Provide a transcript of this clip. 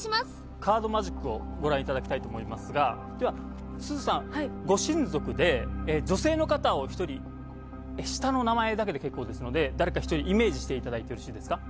カードマジックをご覧いただきたいと思いますが、では、すずさん、ご親族で女性の方を１人、下の名前だけで結構ですので、誰か１人、イメージしていただいはい。